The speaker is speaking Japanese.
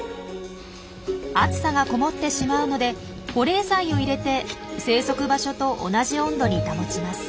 暑さがこもってしまうので保冷剤を入れて生息場所と同じ温度に保ちます。